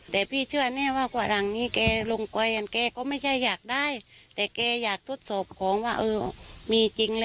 แต่พี่เชื่อแน่ว่ากว่าหลังนี้แกลงไปแกก็ไม่ใช่อยากได้แต่แกอยากทดสอบของว่าเออมีจริงนะ